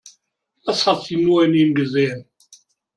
Was hat sie nur in ihm gesehen?